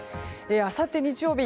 あさって日曜日